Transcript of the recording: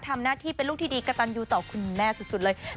ทำหน้าที่เป็นลูกที่ดีกระตันยูต่อคุณแม่สุดเลย